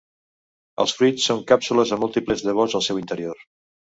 Els fruits són càpsules amb múltiples llavors al seu interior.